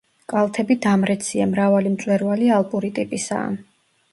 კალთები დამრეცია, მრავალი მწვერვალი ალპური ტიპისაა.